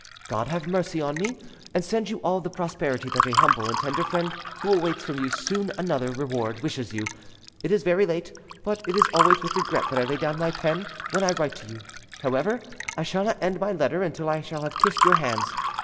God have mercy on me, and send you all the prosperity that a humble and tender friend who awaits from you soon another reward wishes you. It is very late; but it is always with regret that I lay down my pen when I write to you; however, I shall not end my letter until I shall have kissed your hands.